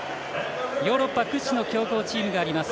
ヨーロッパ屈指の強豪チームがあります